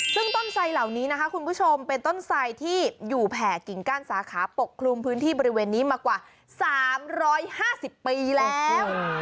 ซึ่งต้นไสเหล่านี้นะคะคุณผู้ชมเป็นต้นไสที่อยู่แผ่กิ่งก้านสาขาปกคลุมพื้นที่บริเวณนี้มากว่า๓๕๐ปีแล้ว